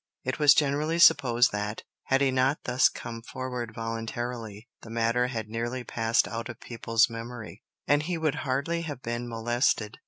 It was generally supposed that, had he not thus come forward voluntarily, the matter had nearly passed out of people's memory, and he would hardly have been molested.